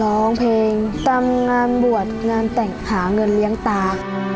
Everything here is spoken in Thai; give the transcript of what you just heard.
ร้องเพลงทำงานบวชงานแต่งหาเงินเลี้ยงตา